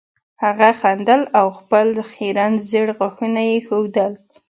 هغه خندل او خپل خیرن زیړ غاښونه یې ښودل